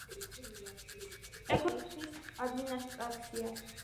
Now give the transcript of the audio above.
ექვემდებარება შვაიხის ადმინისტრაციას.